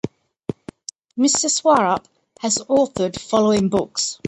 Mr Swarup has authored following books